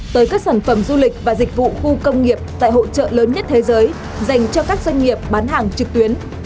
tới các sản phẩm du lịch và dịch vụ khu công nghiệp tại hỗ trợ lớn nhất thế giới dành cho các doanh nghiệp bán hàng trực tuyến